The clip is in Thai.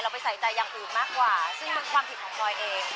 เราไปใส่ใจอย่างอื่นมากกว่าซึ่งความผิดของเราเอง